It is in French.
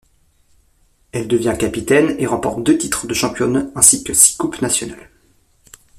Elle devient capitaine et remporte deux titres de championne ainsi que six Coupes nationales.